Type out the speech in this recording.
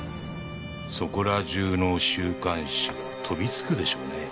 そこらじゅうの週刊誌が飛びつくでしょうね。